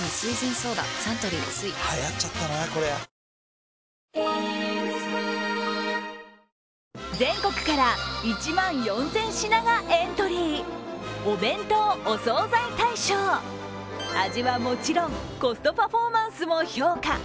コリャ全国から１万４０００品がエントリー味はもちろん、コストパフォーマンスも評価。